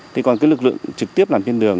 thế còn cái lực lượng trực tiếp làm bên đường